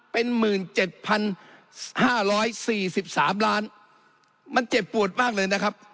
เป็นหมื่นเจ็บพันห้าร้อยสี่สิบสามล้านมันเจ็บปวดมากเลยนะครับ